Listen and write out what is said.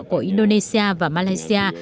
của indonesia và malaysia